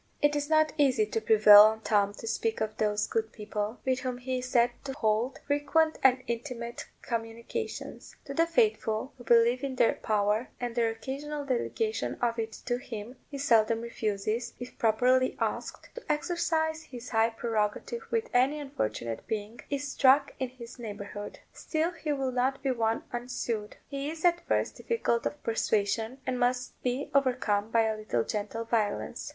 It is not easy to prevail on Tom to speak of those good people, with whom he is said to hold frequent and intimate communications. To the faithful, who believe in their power, and their occasional delegation of it to him, he seldom refuses, if properly asked, to exercise his high prerogative when any unfortunate being is struck in his neighbourhood. Still he will not be won unsued: he is at first difficult of persuasion, and must be overcome by a little gentle violence.